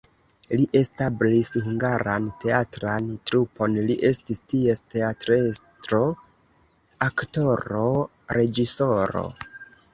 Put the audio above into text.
Li establis hungaran teatran trupon, li estis ties teatrestro, aktoro, reĝisoro.